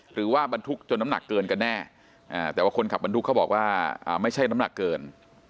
หรือว่าบรรทุกจนน้ำหนักเกินกันแน่แต่ว่าคนขับบรรทุกเขาบอกว่าไม่ใช่น้ำหนักเกิน